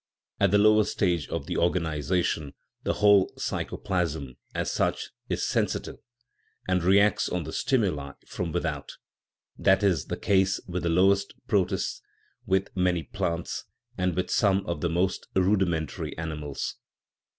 At the lowest stage of organization the whole psychoplasm, as such, is sensitive, and reacts on the stimuli from without ; that is the case with the lowest protists, with many plants, and with some of the most rudimentary animals.